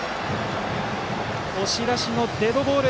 押し出しのデッドボール。